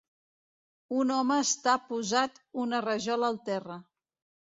Un home està posat una rajola al terra